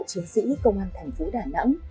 đó là những cán bộ chiến sĩ công an thành phố đà nẵng